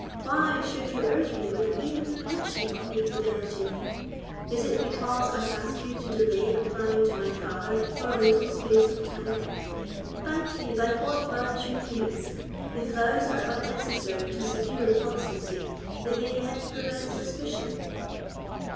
Why should you urge me with even the mention of infidelity? Is it because I ask you to delay applying to my father for a little space of time? Bind me by what vows you please; if vows are unnecessary to secure constancy, they may yet prevent suspicion."